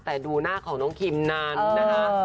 แต่ดูหน้าของชุมนั้นนะคะ